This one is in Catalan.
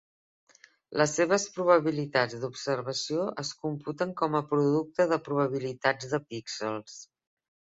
Les seves probabilitats d'observació es computen com a producte de probabilitats de píxels.